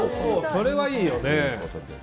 それはいいよね。